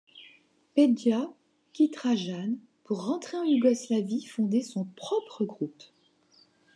Pedja quittera Jane pour rentrer en Yougoslavie fonder son propre groupe.